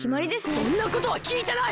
そんなことはきいてない！